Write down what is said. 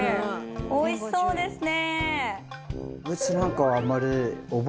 美味しそうですね！